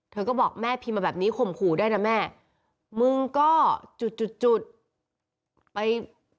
เธอก็บอกแม่พีมมาแบบนี้ขมขู่ได้นะแม่มึงก็จุดไป